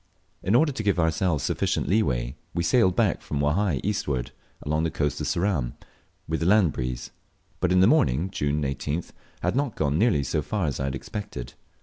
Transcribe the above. In order to give ourselves sufficient leeway, we sailed back from Wahai eastward, along the coast of Ceram, with the land breeze; but in the morning (June 18th) had not gone nearly so far as I expected.